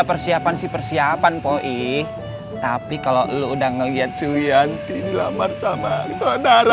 persiapan si persiapan poik tapi kalau lu udah ngeliat suyanti dilamar sama saudara